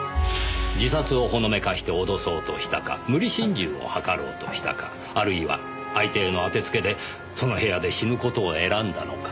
自殺をほのめかして脅そうとしたか無理心中を図ろうとしたかあるいは相手への当てつけでその部屋で死ぬ事を選んだのか。